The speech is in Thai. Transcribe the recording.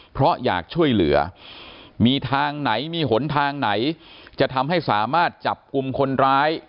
เพราะอยากช่วยเหลือมีทางไหนมีหนทางไหนจะทำให้สามารถจับกลุ่มคนร้าย